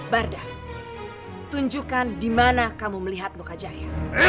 bardah tunjukkan dimana kamu melihat lokajaya